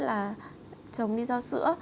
là chồng đi giao sữa